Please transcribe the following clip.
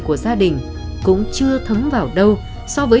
của gia đình đột ngột bị phá vỡ